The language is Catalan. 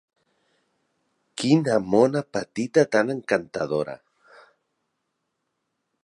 Quina mona petita tan encantadora!